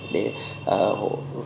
để hỗ trợ cho doanh nghiệp